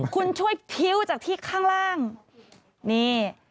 คุณช่วยทิ้วจากที่ข้างล่างนี่